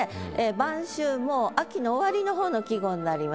「晩秋」も秋の終わりの方の季語になります。